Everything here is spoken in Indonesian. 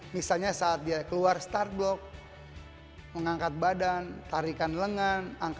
misalnya saat dia keluar start block mengangkat badan tarikan lengan